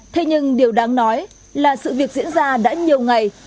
thế nhưng điều đáng nói là sự việc diễn ra đã nhiều ngày